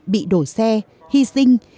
bị đổi xe hy sinh